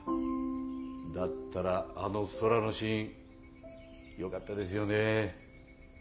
だったらあの空のシーンよかったですよね。